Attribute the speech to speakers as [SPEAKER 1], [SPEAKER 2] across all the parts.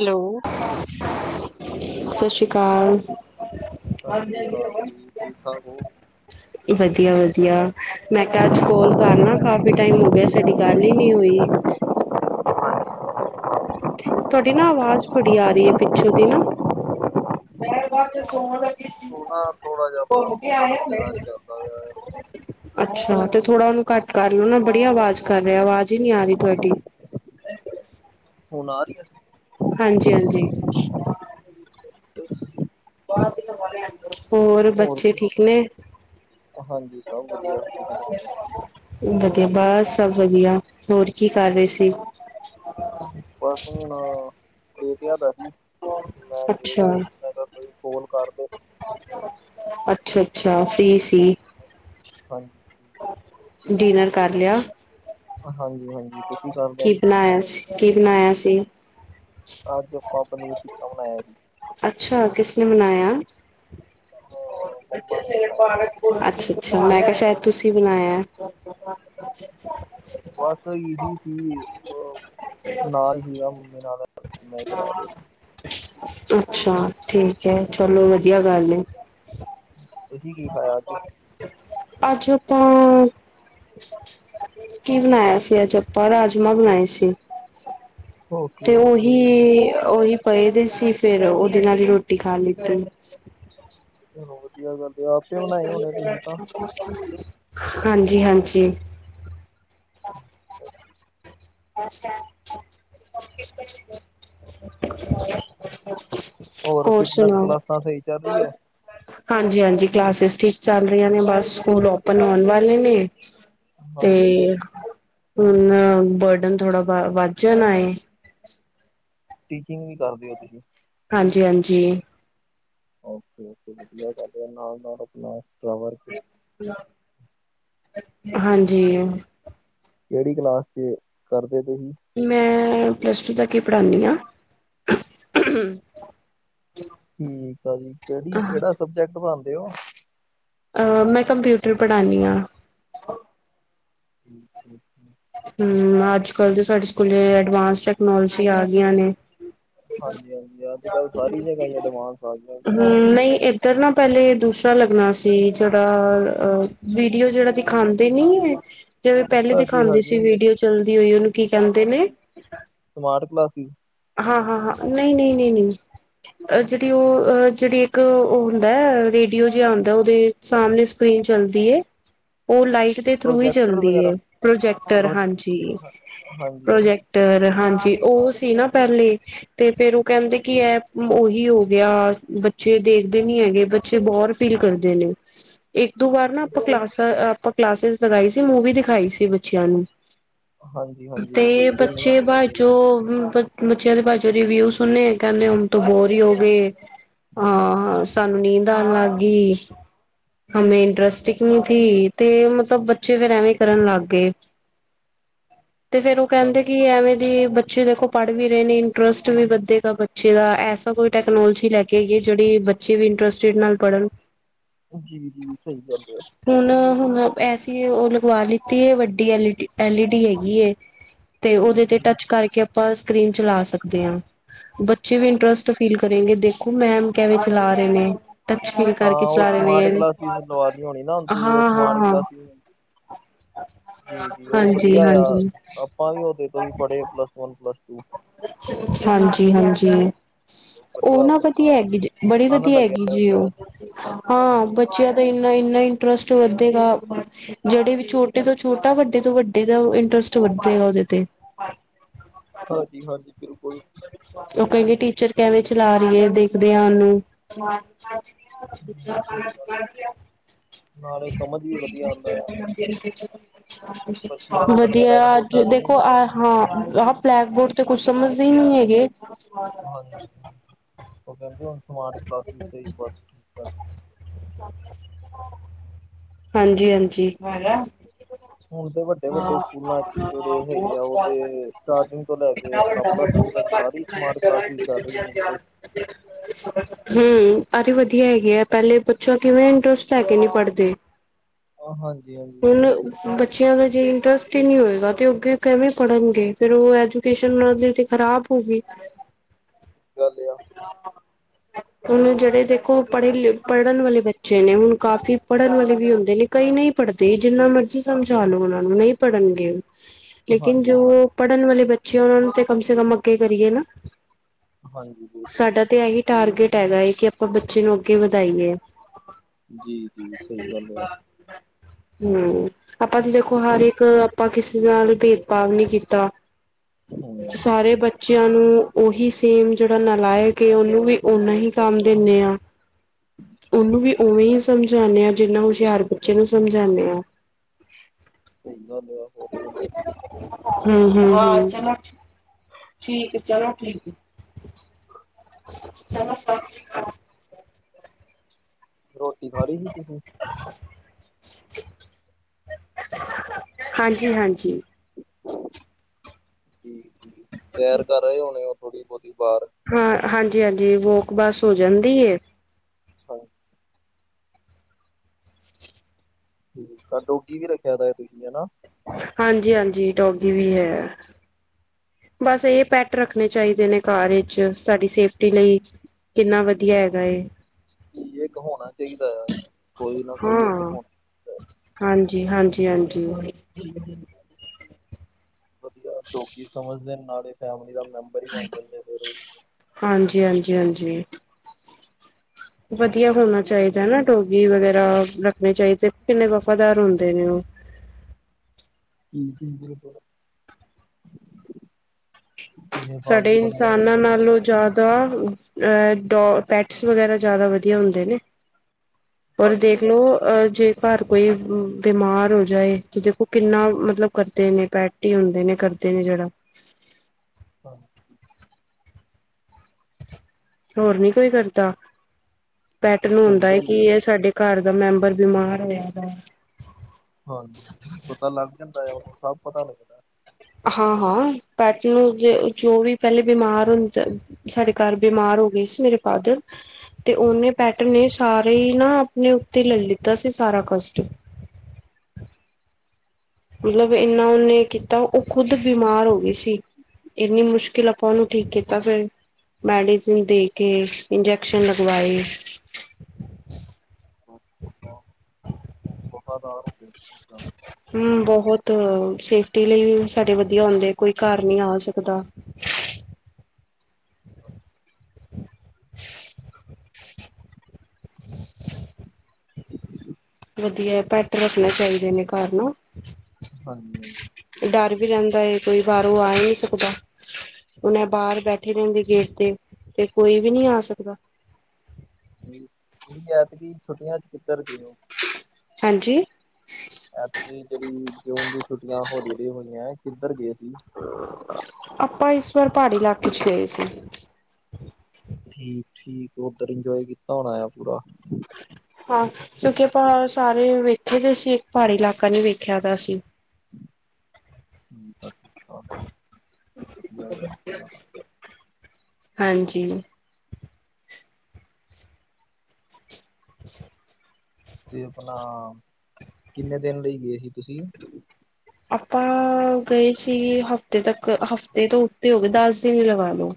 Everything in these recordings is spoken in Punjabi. [SPEAKER 1] ਹੈਲੋ,
[SPEAKER 2] ਸਤਿ
[SPEAKER 1] ਸਤਿ ਸ਼੍ਰੀ ਅਕਾਲ।
[SPEAKER 2] ਸਤਿ ਸ੍ਰੀ ਅਕਾਲ ਜੀ। ਠੀਕ ਠਾਕ ਹੋ?
[SPEAKER 1] ਵਧੀਆ- ਵਧੀਆ, ਮੈਂ ਕਿਹਾ, ਅੱਜ ਕੋਲ ਕਰ ਲਾ ਕਾਫੀ ਟਾਈਮ ਹੋ ਗਿਆ, ਸਾਡੀ ਗੱਲ ਹੀ ਨਹੀਂ ਹੋਈ। ਤੁਹਾਡੀ ਨਾ, ਆਵਾਜ਼ ਬੜੀ ਆ ਰਹੀ ਹੈ, ਪਿੱਛੋਂ ਦੀ ਨਾ। [inaudible]
[SPEAKER 2] ਉਹ ਨਾ, ਥੋੜਾ ਜਿਹਾ ਆਪਣਾ, ਕੂਲਰ ਵਗੈਰਾ ਚੱਲਦਾ ਪਿਆ।
[SPEAKER 1] ਅੱਛਾ, ਤੇ ਥੋੜਾ ਉਹਨੂੰ ਘੱਟ ਕਰ ਲਓ ਨਾ, ਬੜੀ ਆਵਾਜ਼ ਕਰ ਰਿਹਾ, ਆਵਾਜ਼ ਹੀ ਨਹੀਂ ਆ ਰਹੀ ਤੁਹਾਡੀ। [unintelligible]
[SPEAKER 2] ਹੁਣ ਆ ਰਹੀ ਹੈ?
[SPEAKER 1] ਹਾਂਜੀ- ਹਾਂਜੀ।
[SPEAKER 2] ਹੈ
[SPEAKER 1] [unintelligible] ਹੋਰ, ਬੱਚੇ ਠੀਕ ਨੇ?
[SPEAKER 2] ਹਾਂਜੀ ਸਭ ਵਧੀਆ ਤੁਸੀਂ ਦੱਸੋ
[SPEAKER 1] ਵਧੀਆ, ਬਸ, ਸਭ ਵਧੀਆ ਹੋਰ ਕੀ ਕਰ ਰਹੇ ਸੀ?
[SPEAKER 2] ਬਸ ਹੁਣ ਲੇਟਿਆ ਦਾ ਸੀ। ਮੈਂ
[SPEAKER 1] ਅੱਛਾ
[SPEAKER 2] ਵੇਖਦੇ ਮੈਂ ਤਾਂ ਕਿਹਾ ਬਾਈ ਫੋਨ ਕਰਦੇ।
[SPEAKER 1] ਅੱਛਾ ਅੱਛਾ ਫ੍ਰੀ ਸੀ।
[SPEAKER 2] ਹਾਂਜੀ।
[SPEAKER 1] ਡਿਨਰ ਕਰ ਲਿਆ।
[SPEAKER 2] ਹਾਂਜੀ। ਹਾਂਜੀ ਤੁਸੀਂ ਕਰ ਲਿਆ
[SPEAKER 1] ਕੀ ਬਣਾਇਆ ਸੀ। ਕੀ ਬਣਾਇਆ ਸੀ।
[SPEAKER 2] ਅੱਜ ਆਪਾਂ ਪਨੀਰ ਟਿੱਕਾ ਬਣਾਇਆ ਜੀ।
[SPEAKER 1] ਅੱਛਾ ਕਿਸ ਨੇੇ ਬਣਾਇਆ।
[SPEAKER 2] ਅਹ ਮੰਮਾ
[SPEAKER 1] ਬੱਚੇ
[SPEAKER 2] ਨੇ
[SPEAKER 1] ਸ
[SPEAKER 2] ਬਣਾਇਆ
[SPEAKER 1] ਪਾਰਕ ਅੱਛਾ ਅੱਛਾ ਮੈਂ ਕਿਹਾ ਸ਼ਾਇਦ ਤੁਸੀਂ ਬਣਾਇਆ
[SPEAKER 2] ਬਸ ਇਹੀ ਸੀ ਉਹ ਨਾਲ ਸੀਗਾ ਮੰਮੀ ਨਾਲ ਮੈਂ ਕਰਾ ਰ
[SPEAKER 1] ਅੱਛਾ ਠੀਕ ਹੈ ਚਲੋ ਵਧੀਆ ਗੱਲ
[SPEAKER 2] ਤੁਸੀਂ ਕੀ ਪਾਇਆ ਅੱਜ
[SPEAKER 1] ਅਜ ਆਪ ਆਪਾਂ ਕੀ ਬਣਾਇਆ ਸੀ ਅਜਪਾ ਰਾਜਮਾਂ ਬਣਾਏ ਸੀ
[SPEAKER 2] ਓਕੇ
[SPEAKER 1] ਤੇ
[SPEAKER 2] ਓਕੇ ਜੀ
[SPEAKER 1] ਉਹੀ ਉਓਹੀ ਪਏ ਦੇ ਸੀ ਫਿਰ ਉਹਦੇ ਨਾਲ ਹੀ ਰੋਟੀ ਖਾ ਲਿੱਤੀ
[SPEAKER 2] ਚਲੋ ਵਧੀਆ ਗੱਲ ਆਪੇ ਬਣਾਏ ਹੋਣੇ ਤੁਸੀਂ ਤਾਂ
[SPEAKER 1] ਹਾਂਜੀ ਹਾਂਜੀ [unintelligible]
[SPEAKER 2] ਹੋਰ ਫਿਟਨੈਸ ਕਲਾਸਾਂ ਸਹੀ ਚੱਲ ਰਹੀ ਹੈ।
[SPEAKER 1] ਹਾਂਜੀ ਹਾਂਜੀ ਕਲਾਸਿਸ ਠੀਕ ਚੱਲ ਰਹੀਆਂ ਨੇ ਬਸ ਸਕੂਲ ਓਪਨ ਹੋਣ ਵਾਲੇ ਨੇ। ਤੇ
[SPEAKER 2] ਹਾਂਜੀ
[SPEAKER 1] ਹੁਣ ਬਰਡਨ ਥੋੜਾ ਵੱਧ ਜਾਣਾ ਹੈ।
[SPEAKER 2] ਟੀਚਿੰਗ ਵੀ ਕਰਦੇ ਹੋ ਤੁਸੀਂ।
[SPEAKER 1] ਹਾਂਜੀ ਹਾਂਜੀ।
[SPEAKER 2] ਓਕੇ ਓਕੇ ਵਧੀਆ ਗੱਲ ਹੈ ਨਾਲ ਨਾਲ ਆਪਣਾ ਜੋਬ ਵਰਕ।
[SPEAKER 1] ਹਾਂਜੀ ਉਹ।
[SPEAKER 2] ਕਿਹੜੀ ਕਲਾਸ 'ਚ ਕਰਦੇ ਪਏ ਜੀ।
[SPEAKER 1] ਮੈਂ ਪਲੱਸ ਟੂ ਤੱਕ ਹੀ ਪੜ੍ਹਾਉਦੀ ਹਾਂ।
[SPEAKER 2] ਠੀਕ ਆ ਜੀ ਕਿਹੜੀ ਕਿਹੜਾ ਸਬਜੈਕਟ ਪੜਾਉਂਦੇ ਹੋ।
[SPEAKER 1] ਅਹ ਮੈਂ ਕੰਪਿਊਟਰ ਪੜ੍ਹਾਉਂਦੀ ਹਾਂ।
[SPEAKER 2] [unintelligible]
[SPEAKER 1] ਹੂੰ ਅੱਜ ਕੱਲ੍ਹ ਤਾਂ ਸਾਡੇ ਸਕੂਲੇ ਐਡਵਾਂਸ ਟੈਕਨੋਲੋਜੀ ਆ ਗਈਆਂ ਨੇ।
[SPEAKER 2] ਹਾਂਜੀ ਹਾਂਜੀ ਅੱਜ ਕੱਲ੍ਹ ਸਾਰੀ ਜਗ੍ਹਾ ਹੀ ਐਡਵਾਂਸ ਆ ਗਈਆਂ ਜੀ
[SPEAKER 1] ਹੂੰ ਨਹੀਂ। ਇੱਧਰ ਨਾ ਪਹਿਲੇ ਦੂਸਰਾ ਲੱਗਣਾ ਸੀ। ਜਿਹੜਾ ਅਹ ਵੀਡੀਓ ਜਿਹੜਾ ਦਿਖਾਉਂਦੇ ਨੀ ਹੈ। ਜਿਵੇਂ ਪਹਿਲੇ
[SPEAKER 2] ਹਾਂਜੀ
[SPEAKER 1] ਦਿਖਾਉਂਦੀ ਸੀ
[SPEAKER 2] ਹਾਂਜੀ
[SPEAKER 1] ਵੀਡੀਓ ਚੱਲਦੀ ਹੋਈ ਉਹਨੂੰ ਕੀ ਕਹਿੰਦੇ ਨੇ।
[SPEAKER 2] Smart classy.
[SPEAKER 1] ਹਾਂ ਹਾਂ ਹਾਂ ਨਹੀਂ ਨਹੀਂ ਨਹੀਂ ਨਹੀਂ। ਜਿਹੜੀ ਉਹ ਜਿਹੜੀ ਇੱਕ ਉਹ ਹੁੰਦਾ ਰੇਡੀਓ ਜੇ ਆਉਂਦਾ ਉਹਦੇ। ਸਾਹਮਣੇ ਸਕਰੀਨ ਚੱਲਦੀ ਹੈ। ਉਹ ਲਾਈਟ। ਦੇ ਥਰੂ ਹੀ
[SPEAKER 2] ਪ੍ਰੋਜੈਕਟਰ
[SPEAKER 1] ਚੱਲਦੀ
[SPEAKER 2] ਵਗੈਰਾ
[SPEAKER 1] ਹੈ। ਪ੍ਰੋਜੈਕਟਰ
[SPEAKER 2] ਪ੍ਰੋ
[SPEAKER 1] ਹਾਂਜੀ ਪ੍ਰੋਜੈਕ।
[SPEAKER 2] ਹਾਂਜੀ ਹਾਂਜੀ
[SPEAKER 1] ਪ੍ਰੋਜੈਕਟਰ ਹਾਂਜੀ ਉਹ ਸੀ ਨਾ ਪਹਿਲੇ। ਤੇ ਫੇਰ ਉਹ ਕਹਿੰਦੇ ਕਿ ਇਹ ਉਹੀ ਹੋ ਗਿਆ ਬੱਚੇ ਦੇਖਦੇ ਨੀ ਹੈਗੇ। ਅਛੇ ਬੋਰ ਫੀਲ ਕਰਦੇ ਨੇ। ਇੱਕ ਦੋ ਵਾਰ ਨਾ ਆਪਾਂ ਕਲਾਸ ਆਪਾਂ ਕਲਾਸਿਸ ਲਗਾਈ ਸੀ ਮੂਵੀ ਦਿਖਾਈ ਸੀ ਬੱਚਿਆਂ ਨੂੰ।
[SPEAKER 2] ਹਾਂਜੀ ਹਾਂਜੀ
[SPEAKER 1] ਤੇ ਬੱਚੇ ਬਸ
[SPEAKER 2] ਨਹੀਂ
[SPEAKER 1] ਜੋ ਬੱਚੇ। ਬੱਚਿਆਂ ਦੇ ਭਾਈਚਾਰੇ ਰਿਵਿਊ ਸੁਣੇ ਕਹਿੰਦੇ ਹੁਣ ਤੋ ਬੋਰ ਹੀ ਹੋ ਗਏ। ਹਾਂ ਸਾਨੂੰ ਨੀਂਦ ਆਉਣ ਲੱਗ ਗਈ। ਹਮੇ ਇੰਟਰਸਟਿਕ ਨਹੀਂ ਥੀ ਤੇ ਮਤਲਬ ਬੱਚੇ ਫੇਰ ਐਵੇਂ ਕਰਨ ਲੱਗ ਗਏ। ਤੇ ਫੇਰ ਉਹ ਕਹਿੰਦੇ
[SPEAKER 2] ਹਾਂਜੀ,
[SPEAKER 1] ਕਿ ਐਵੇਂ ਦੀ ਬੱਚੀ ਦੇਖੋ। ਪੜ੍ਹ ਵੀ ਰਹੇ ਨੇ ਇੰਟਰਸਟ ਵੀ ਵੱਧੇਗਾ ਬੱਚੇ ਦਾ। ਐਸਾ ਕੋਈ ਟੈਕਨੋਲਜੀ ਲੈ ਕੇ ਆਈ ਜਿਹੜੀ ਬ ਜਿਵੇ ਇੰਟਰਸਟਡ ਨਾਲ ਪੜ੍ਹਨ।
[SPEAKER 2] ਜੀ ਜੀ ਸਹੀ ਗੱਲ ਐ।
[SPEAKER 1] ਹੁਣ ਹੁਣ ਐਸੀ ਉਹ ਲਗਵਾ ਲਿੱਤੀ ਹੈ ਵੱਡੀ L E L E D ਹੈਗੀ ਏ। ਤੇ ਉਹਦੇ ਤੇ
[SPEAKER 2] ਜੀ-ਜੀ
[SPEAKER 1] ਟੱਚ ਕਰਕੇ ਆਪਾਂ ਸਕਰੀਨ ਚਲਾ ਸਕਦੇ ਆ। ਜਿਵੇ ਇੰਟਰਸਟ
[SPEAKER 2] ਓਕੇ,
[SPEAKER 1] ਫੀਲ ਕਰੇਗੇ ਦੇਖੋ ਮੈਮ ਕਿਵੇਂ ਚਲਾ ਰਹੇ ਨੇ। ਟੱਚ ਫੀਲ ਕਰਕੇ
[SPEAKER 2] ਹਾਂ ਉਹ
[SPEAKER 1] ਚਲਾ ਰਹੇ
[SPEAKER 2] ਸਮਾਰਟ
[SPEAKER 1] ਨੇ
[SPEAKER 2] ਕਲਾਸਿਸ ਲਵਾ ਦੀ ਹੋਣੀ ਨਾ
[SPEAKER 1] ਹਾਂ
[SPEAKER 2] ਉਹ
[SPEAKER 1] ਹਾਂ
[SPEAKER 2] ਸਮਾਰਟ
[SPEAKER 1] ਹਾਂ
[SPEAKER 2] ਕਲਾਸਿਸ। ਜੀ, ਜੀ ਉਹ
[SPEAKER 1] ਹਾਂਜੀ
[SPEAKER 2] ਵਧੀਆ ਆ
[SPEAKER 1] ਹਾਂਜੀ
[SPEAKER 2] ਆਪਾਂ ਵੀ ਉਹਦੇ ਤੋਂ ਹੀ ਪੜੇ ਪਲੱਸ ਵਨ ਪਲੱਸ ਟੂ।
[SPEAKER 1] ਹਾਂਜੀ, ਹਾਂਜੀ। ਉਹ ਨਾ ਵਧੀਆ ਹੈਗੀ ਜੀ ਬੜੀ
[SPEAKER 2] ਮਨ
[SPEAKER 1] ਵਧੀਆ
[SPEAKER 2] ਲੱਗਿਆ
[SPEAKER 1] ਹੈਗੀ ਜੀ
[SPEAKER 2] ਰਹਿੰਦਾ ਆ,
[SPEAKER 1] ਉਹ ਹਾਂ
[SPEAKER 2] ਜੀ
[SPEAKER 1] ਬੱਚਿਆਂ। ਤੇ ਇੰਨਾ ਇੰਨਾ ਇੰਟਰਸਟ ਵੱਧੇਗਾ ਬਾਅਦ ਵਿੱਚ। ਜਿਹੜੇ ਵੀ ਛੋਟੇ ਤੋਂ ਛੋਟਾ ਵੱਡੇ ਤੋਂ ਵੱਡੇ ਦਾ ਇੰਟਰਸਟ ਵੱਧੇਗਾ ਉਹਦੇ ਤੇ।
[SPEAKER 2] ਹਾਂਜੀ-ਹਾਂਜੀ ਬਿਲਕੁਲ।
[SPEAKER 1] ਉਹ ਕਹਿੰਦੀ ਟੀਚਰ ਕਿਵੇਂ ਚਲਾ ਰਹੀ ਹੈ ਦੇਖਦੇ ਆ ਉਹਨੂੰ।
[SPEAKER 2] ਜੀ ਸਹੀ ਗੱਲ, ਨਾਲੇ ਸਮਝ ਵੀ ਵਧੀਆ ਆਂਦਾ ਆ, ਬੱਚੇ ਅੱਜ-ਕੱਲ੍ਹ
[SPEAKER 1] ਵਧੀਆ
[SPEAKER 2] ਬਲੈਕ
[SPEAKER 1] ਅੱਜ
[SPEAKER 2] ਬੋਰਡਾਂ ਤੇ ਨਹੀਂ
[SPEAKER 1] ਦੇਖੋ ਆਹ
[SPEAKER 2] ਸਮਝਦੇ।
[SPEAKER 1] ਹਾਂ ਆਹ ਬਲੈਕ ਬੋਰਡ ਤੇ ਕੁਛ ਸਮਝ। ਵੇਖਦੇ ਨਹੀਂ ਹੈਗੇ।
[SPEAKER 2] ਹਾਂਜੀ ਉਹ ਕਹਿੰਦੇ ਹੁਣ ਸਮਾਰਟ ਕਲਾਸ ਵੀ ਸਹੀ ਬਹੁਤ ਠੀਕ ਠਾਕ।
[SPEAKER 1] ਲੱਗ ਗਿਆ ਸਿਰ ਧਵਾਉਣ। ਹਾਂਜੀ, ਹਾਂਜੀ ਹੈਗਾ।
[SPEAKER 2] ਹੁਣ ਤੇ ਵੱਡੇ ਵੱਡੇ ਸਕੂਲਾਂ 'ਚ ਜਿਹੜੇ ਹੈਗੇ ਆ ਉਹਦੇ ਸਟਾਰਟਿੰਗ। ਤੋਂ ਲੈ ਕੇ
[SPEAKER 1] ਹਮ
[SPEAKER 2] ਆਪਣਾ ਪਲੱਸ ਟੂ ਤੱਕ ਸਾਰੀ ਸਮਾਰਟ ਕਲਾਸਿਸ ਚੱਲ ਰਹੀ ਹੁਣ ਤੇ।
[SPEAKER 1] ਹੂੰ, ਅਰੇ ਵਧੀਆ ਹੈਗੇ ਆ ਪਹਿਲੇ ਪੁੱਛੋ ਕਿਵੇਂ ਇੰਟਰਸਟ। ਲੈ ਕੇ ਨਹੀਂ ਪੜ੍ਹਦੇ।
[SPEAKER 2] ਅਹ ਹਨ
[SPEAKER 1] ਹੁਣ। ਬੱਚਿਆਂ ਦਾ ਜੇ ਇੰਟਰਸਟ ਹੀ ਨਹੀਂ ਹੋਏਗਾ ਤਾਂ ਅੱਗੇ ਕਿਵੇਂ ਪੜ੍ਹਨਗੇ ਫਿਰ ਉਹ ਐਜੂਕੇਸ਼ਨ ਉਹਨਾਂ ਦੇ ਤਾਂ ਖ਼ਰਾਬ। ਹੋਗੀ।
[SPEAKER 2] ਗੱਲ ਏ ਆ।
[SPEAKER 1] ਹਾਂ। ਹੁਣ ਜਿਹੜੇ ਦੇਖੋ ਪੜ੍ਹੇ ਪੜ੍ਹਨ ਵਾਲੇ ਬੱਚੇ ਨੇ ਹੁਣ ਕਾਫ਼ੀ ਪੜ੍ਹਨ ਵਾਲੇ ਵੀ ਹੁੰਦੇ ਨੇ। ਕਈ ਨਹੀਂ ਪੜ੍ਹਦੇ ਜਿੰਨਾ ਮਰਜੀ ਸਮਝਾ ਲਓ ਉਹਨਾਂ ਨੂੰ ਨਹੀਂ ਪੜ੍ਹਨਗੇ। ਲੇਕਿਨ ਜੋ
[SPEAKER 2] ਹਾਂਜੀ-ਹਾਂਜੀ,
[SPEAKER 1] ਪੜ੍ਹਨ ਵਾਲੇ ਬੱਚੇ ਉਹਨਾਂ ਨੂੰ ਤਾਂ ਕਮ ਸੇ ਕਮ ਅੱਗੇ ਕਰੀਏ ਨਾ।
[SPEAKER 2] ਹਾਂਜੀ।
[SPEAKER 1] ਸਾਡਾ ਤੇ
[SPEAKER 2] ਬਿਲਕੁਲ-ਬਿਲਕੁਲ,
[SPEAKER 1] ਇਹ ਹੀ। ਟਾਰਗੇਟ ਹੈਗਾ ਹੈ ਕਿ ਆਪਾਂ ਬੱਚੇ ਨੂੰ ਅੱਗੇ ਵਧਾਈਏ।
[SPEAKER 2] ਜੀ-ਜੀ ਸਹੀ ਗੱਲ ਆ।
[SPEAKER 1] ਹੂੰ, ਆਪਾਂ ਤੇ ਦੇਖੋ ਹਰ ਇੱਕ ਆਪਾਂ। ਕਿਸੇ ਨਾਲ ਭੇਦਭਾਵ ਨਹੀਂ ਕੀਤਾ
[SPEAKER 2] ਹੂੰ,
[SPEAKER 1] ਸਾਰੇ ਬੱਚ ਬੱਚਿਆਂ ਨੂੰ ਉਹੀ ਸੇਮ ਜਿਹੜਾ ਨਾਲਾਇਕ ਏ ਉਹਨੂੰ ਵੀ ਉਨਾ ਹੀ ਕੰਮ ਦਿੰਦੇ ਆ। ਉਹਨੂੰ
[SPEAKER 2] ਜੀ
[SPEAKER 1] ਵੀ ਉਵੇਂ ਹੀ ਸਮਝਾਉਂਦੇ ਹਾਂ ਜਿੰਨਾ ਹੁਸ਼ਿਆਰ ਬੱਚੇ ਨੂੰ ਸਮਝਾਉਂਨੇ ਹਾਂ।
[SPEAKER 2] ਭਇਆ ਲੇਯਾ
[SPEAKER 1] ਹੂੰ, ਹੂੰ, ਹੂੰ। ਚਲੋ ਠੀਕ ਏ। ਚਲੋ ਠੀਕ ਏ। ਚਲੋ ਸਤਿ ਸ਼੍ਰੀ ਅਕਾਲ।
[SPEAKER 2] ਰੋਟੀ ਖਾ ਲਈ ਸੀ ਤੁਸੀਂ।
[SPEAKER 1] ਹਾਂਜੀ, ਹਾਂਜੀ।
[SPEAKER 2] ਠੀਕ - ਠੀਕ। ਸੈਰ ਕਰ ਰਹੇ ਹੋਣੇ ਉਹ ਥੋੜ੍ਹੀ ਬਹੁਤੀ ਬਾਰ।
[SPEAKER 1] ਹਾਂ, ਹਾਂਜੀ, ਹਾਂਜੀ। ਵੋਕ ਬਸ ਹੋ ਜਾਂਦੀ ਏ।
[SPEAKER 2] ਹਾਂਜੀ। ਠੀਕ ਤਾਂ ਡੋਗੀ ਵੀ ਰੱਖਿਆ ਦਾ ਹੈ ਤੁਸੀਂ ਹਨਾ।
[SPEAKER 1] ਹਾਂਜੀ, ਹਾਂਜੀ ਡੋਗੀ ਵੀ ਹੈ। ਬਸ ਇਹ ਪੈਟ ਰੱਖਣੇ ਚਾਹੀਦੇ ਨੇ ਘਰ ਵਿਚ ਸਾਡੀ ਸੇਫਟੀ ਲਈ। ਕਿੰਨਾ ਵਧੀਆ ਹੈਗਾ ਏ।
[SPEAKER 2] ਕੀ ਇੱਕ ਹੋਣਾ ਚਾਹੀਦਾ ਆ, ਕੋਈ ਨਾ ਕੋਈ ਇੱਕ ਹੋਣਾ। ਚਾਹੀਦਾ।
[SPEAKER 1] ਹਾਂਜੀ ਹਾਂਜੀ ਹਾਂਜੀ।
[SPEAKER 2] ਵਧੀਆ ਜੋ ਸਮਝਦੇ ਨਾਲੇ ਫੈਮਿਲੀ ਦਾ ਮੈਂਬਰ ਹੀ ਬਣ ਜਾਂਦੇ ਫਿਰ ਉਹ
[SPEAKER 1] ਹਾਂਜੀ ਹਾਂਜੀ, ਹਾਂਜੀ। ਵਧੀਆ ਹੋਣਾ ਚਾਹੀਦਾ ਨਾ ਡੋਗੀ ਵਗੈਰਾ ਰੱਖਣੇ ਚਾਹੀਦੇ, ਕਿੰਨੇ ਵਫ਼ਾਦਾਰ ਹੁੰਦੇ ਨੇ ਉਹ
[SPEAKER 2] ਜੀ ਜੀ ਬਲ ਬੋਲ।
[SPEAKER 1] ਸਾਡੇ ਇਨਸਾਨਾਂ
[SPEAKER 2] ਅੰਦਰ ਵੀ ਨਹੀਂ
[SPEAKER 1] ਨਾਲੋਂ
[SPEAKER 2] ਆ
[SPEAKER 1] ਜ਼ਿਆਦਾ ਅ ਡੋ ਪੈਟਸ ਵਗੈਰਾ ਜ਼ਿਆਦਾ ਵਧੀਆ ਹੁੰਦੇ ਨੇ ਔਰ
[SPEAKER 2] ਹਾਂਜੀ
[SPEAKER 1] ਦੇਖ
[SPEAKER 2] ਹਾਂਜੀ
[SPEAKER 1] ਲਓ ਜੇ ਘਰ ਕੋਈ ਬਿਮਾਰ ਹੋ ਜਾਏ ਤਾਂ ਦੇਖੋ ਕਿੰਨਾ ਮਤਲਬ ਕਰਦੇ ਨੇ ਪੈਟ ਟੀ ਹੁੰਦੇ ਨੇ ਕਰਦੇ ਨੇ ਜਿਹੜਾ।
[SPEAKER 2] ਹਾਂਜੀ।
[SPEAKER 1] ਹੋਰ ਨੀ ਕੋਈ ਕਰਦਾ ਪੈਟਰ ਨੂੰ ਹੁੰਦਾ
[SPEAKER 2] ਸਹੀ
[SPEAKER 1] ਹੈ
[SPEAKER 2] ਗੱਲ
[SPEAKER 1] ਕੀ ਇਹ ਸਾਡੇ ਘਰ ਦਾ ਮੈਂਬਰ ਬਿਮਾਰ ਹੋਇਆ ਦਾ।
[SPEAKER 2] ਹਾਂਜੀ। ਪਤਾ ਲੱਗ ਜਾਂਦਾ ਉਹਨੂੰ ਸਭ ਪਤਾ ਲੱਗਦਾ।
[SPEAKER 1] ਹਾਂ, ਹਾਂ। ਪੈਟ ਨੂੰ ਜੋ ਵੀ ਪਹਿਲੇ ਬਿਮਾਰ ਹੁੰਦਾ। ਸਾਡੇ ਘਰ ਬਿਮਾਰ ਹੋ ਗਏ ਸੀ ਮੇਰੇ ਫਾਦਰ। ਤੇ ਉਹਨੇ
[SPEAKER 2] ਹਾਂਜੀ,
[SPEAKER 1] ਪੈਟ ਨੇ ਸਾਰੇ ਹੀ ਨਾ ਆਪਣੇ ਉੱਤੇ ਲੈ ਲਿੱਤਾ ਸੀ ਸਾਰਾ ਕਸ਼ਟ। ਮਤਲਬ ਇੰਨਾ ਉਹਨੇ ਕੀਤਾ ਉਹ ਖੁੱਦ ਬਿਮਾਰ ਹੋ ਗਏ ਸੀ। ਇੰਨੀ ਮੁਸ਼ਕਿਲ ਆਪਾਂ ਉਹਨੂੰ ਠੀਕ ਕੀਤਾ ਫੇਰ ਮੈਡੀਸਨ ਦੇ ਕੇ ਇੰਜੈਕਸ਼ਨ ਲਗਵਾਏ।
[SPEAKER 2] ਵਫ਼ਦਾਰ [unintelligible] ਵਧੀਆ
[SPEAKER 1] ਹਮ ਬਹੁਤ ਸੇਫਟੀ ਲਈ ਸਾਡੇ ਵਧੀਆ, ਹੁੰਦੇ ਕੋਈ ਘਰ ਨਹੀਂ ਆ ਸਕਦਾ। [unintelligible]
[SPEAKER 2] [unintelligible]
[SPEAKER 1] [unintelligible]
[SPEAKER 2] [unintelligible]
[SPEAKER 1] ਵਧੀਆ ਪੈਟ ਰੱਖਣੇ ਚਾਹੀਦੇ ਨੇ ਘਰ ਨੂੰ
[SPEAKER 2] ਹਾਂਜੀ ਹਾਂਜੀ,
[SPEAKER 1] ਡਰ ਵੀ ਰਹਿੰਦਾ ਹੈ ਕੋਈ ਬਾਹਰੋਂ ਆ ਹੀ ਨਹੀਂ ਸਕਦਾ। ਉਹਨੇ
[SPEAKER 2] ਹਾਂਜੀ
[SPEAKER 1] ਬਾਹਰ ਬੈਠੇ ਰਦੇ ਗੇਟ ਤੇ ਤੇ ਕੋਈ ਵੀ ਨਹੀਂ ਆ ਸਕਦਾ।
[SPEAKER 2] ਇਹੀ ਹੈ ਕਿ ਛੁੱਟੀਆਂ ਚ ਕਿੱਧਰ ਗਏ ਔ
[SPEAKER 1] ਹਾਂਜੀ,
[SPEAKER 2] ਐਤਕੀ ਜਿਹੜੀ ਜੂਨ ਦੀ ਛੁੱਟੀਆਂ ਹੋਲੀਡੇ ਹੋਈਆਂ ਕਿੱਧਰ ਗਏ ਸੀ।
[SPEAKER 1] ਆਪਾਂ ਇਸ ਵਾਰ ਪਹਾੜੀ ਇਲਾਕੇ ਚ ਗਏ ਸੀ।
[SPEAKER 2] ਠੀਕ, ਠੀਕ ਉਧਰ ਇੰਜੋਏ ਕੀਤਾ ਹੋਣ ਆਇਆ ਪੂਰਾ।
[SPEAKER 1] ਹਾਂ ਕਿਉਂਕਿ ਆਪਾ ਸਾਰੇ ਵੇਖੇ ਦੇ ਸੀ, ਇੱਕ ਪਹਾੜੀ ਇਲਾਕਾ ਨੀ ਵੇਖਿਆ ਤਾਂ ਅਸੀਂ
[SPEAKER 2] ਠੀਕ ਆ ਠੀਕ ਠਾਕ ਵਧੀਆ ਵਧੀਆ,
[SPEAKER 1] ਹਾਂਜੀ,
[SPEAKER 2] ਤੇ ਆਪਣਾ ਕਿੰਨੇ ਦਿਨ ਲਈ ਗਏ ਸੀ ਤੁਸੀਂ
[SPEAKER 1] ਆਪਾਂ, ਗਏ ਸੀ, ਹਫ਼ਤੇ ਤੱਕ ਹਫ਼ਤੇ ਤੋਂ ਉੱਤੇ ਹੋ ਗਏ ਦਸ ਦਿਨ ਹੀ ਲਗਾ ਲੋ।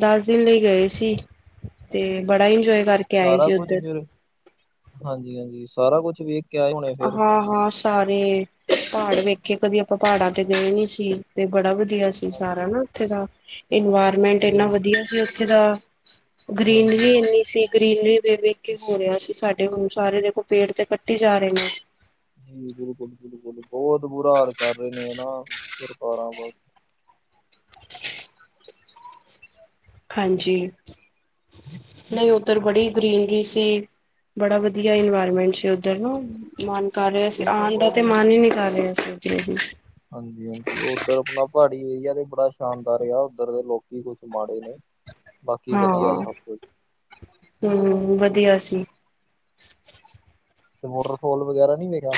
[SPEAKER 1] ਦਸ ਦਿਨ ਲਈ ਗਏ ਸੀ, ਤੇ ਬੜਾ ਇੰਜੋਏ ਕਰਕੇ ਆਏ
[SPEAKER 2] ਸਾਰਾ
[SPEAKER 1] ਸੀ
[SPEAKER 2] ਕੁਝ
[SPEAKER 1] ਉੱਧਰ
[SPEAKER 2] ਫਿਰ ਹਾਂਜੀ-ਹਾਂਜੀ ਸਾਰਾ ਕੁਛ ਵੇਖ, ਕੇ ਆਏ ਹੋਣੇ ਫਿਰ।
[SPEAKER 1] ਹਾਂ ਹਾਂ ਸਾਰੇ ਪਹਾੜ ਵੇਖੇ ਕਦੀ ਆਪਾਂ ਪਹਾੜਾਂ ਤੇ ਗਏ ਨੀ ਸੀ ਤੇ ਬੜਾ ਵਧੀਆ। ਵਧੀਆ ਸੀ
[SPEAKER 2] ਹਾਂ,
[SPEAKER 1] ਸਾਰਾ ਨਾ ਉੱਥੇ ਦਾ ਇਨਵਾਇਰਮੈਂਟ ਇੰਨਾ
[SPEAKER 2] ਤੇ
[SPEAKER 1] ਵਧੀਆ ਸੀ ਉੱਥੇ ਦਾ ਗ੍ਰੀਨਰੀ
[SPEAKER 2] ਹਾਂਜੀ-ਹਾਂਜੀ
[SPEAKER 1] ਇੰਨੀ ਸੀ ਗ੍ਰੀਨਰੀੇ ਹੋ ਰਿਹਾ ਸੀ ਸਾਡੇ ਹੁਣ ਸਾਰੇ ਦੇਖੋ ਪੇੜ ਤੇ ਕੱਟੀ ਹੀ ਜਾ ਰਹੇ ਨੇ।
[SPEAKER 2] ਜੀ ਬਿਲਕੁਲ ਬਿਲਕੁਲ ਬਹੁਤ ਬੁਰਾ ਹਾਲ ਕਰ ਰਹੇ ਨੇ ਨਾ ਸਰਕਾਰਾਂ ਬਸ
[SPEAKER 1] ਹਾਂਜੀ ਨਹੀਂ ਉੱਧਰ ਬੜੀ ਗਰੀਨਰੀ ਸੀ। ਬੜਾ ਵਧੀਆ ਇਨਵਾਇਰਮੈਂਟ ਸੀ ਉੱਧਰ ਨਾ। ਮਨ ਕਰ ਰਿਹਾ ਸੀ, ਆਣ ਦਾ ਤੇ ਮਨ ਹੀ ਨਹੀਂ ਕਰ ਰਿਹਾ ਸੀ ੳਦਰੋ ਦੀ।
[SPEAKER 2] ਹਾਂਜੀ ਹਾਂਜੀ ਉਹ ਉੱਧਰ ਆਪਣਾ ਪਹਾੜੀ ਏਰੀਆ ਤੇ ਬੜਾ ਸ਼ਾਨਦਾਰ ਰਿਹਾ, ਉੱਧਰ ਦੇ ਲੋਕੀ ਕੁਛ ਮਾੜੇ ਨੇ। ਬਾਕੀ ਵਧੀਆ
[SPEAKER 1] ਹਾਂ,
[SPEAKER 2] ਸਭ ਕੁਛ
[SPEAKER 1] ਹੂੰ ਵਧੀਆ ਸੀ।
[SPEAKER 2] ਤੇ ਵਾਟਰ ਫੋਲ ਵਗੈਰਾ ਨੀ ਵੇਖਿਆ।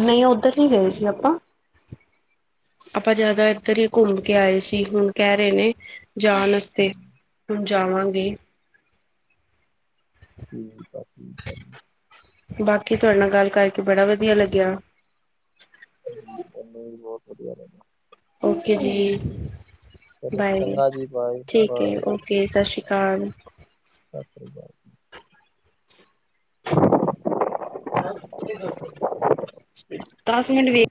[SPEAKER 1] ਨਹੀਂ ਉੱਧਰ ਨਹੀਂ ਗਏ ਸੀ ਆਪਾਂ ਆਪਾਂ ਜ਼ਿਆਦਾ ਇੱਧਰ ਹੀ ਘੁੰਮ ਕੇ ਆਏ ਸੀ, ਹੁਣ ਕਹਿ ਰਹੇ ਨੇ ਜਾਣ ਵਸਤੇ। ਹੁਣ ਜਾਵਾਂਗੇ।
[SPEAKER 2] ਠੀਕ ਆ, ਆ ਜੀ।
[SPEAKER 1] ਬਾਕੀ ਤੁਹਾਡੇ ਨਾਲ ਗੱਲ ਕਰਕੇ ਬੜਾ ਵਧੀਆ ਲੱਗਿਆ।
[SPEAKER 2] ਨੇ ਵੀ ਬਹੁਤ ਵਧੀਆ ਰਹਿੰਦਾ।
[SPEAKER 1] ਓਕੇ ਜੀ,
[SPEAKER 2] ਚਲੋ
[SPEAKER 1] ਬਾਏ
[SPEAKER 2] ਚੰਗਾ ਜੀ
[SPEAKER 1] ਠੀਕ ਹੈ,
[SPEAKER 2] ਬਾਏ-ਬਾਏ
[SPEAKER 1] ਓਕੇ ਸਤਿ ਸ਼੍ਰੀ ਅਕਾਲ,
[SPEAKER 2] ਸਤਿ ਸ਼ੀ ਅਕਾਲ, [unintelligible]
[SPEAKER 1] ਦਸ ਮਿੰਟ ਵੀ,